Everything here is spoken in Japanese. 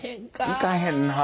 いかへんなあ。